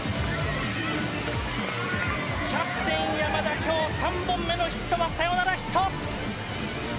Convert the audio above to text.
キャプテン、山田今日３本目のヒットはサヨナラヒット！